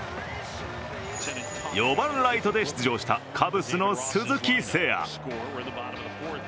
４番・ライトで出場したカブスの鈴木誠也。